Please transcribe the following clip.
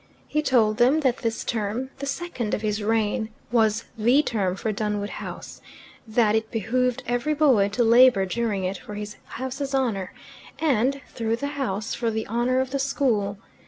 He told them that this term, the second of his reign, was THE term for Dunwood House; that it behooved every boy to labour during it for his house's honour, and, through the house, for the honour of the school.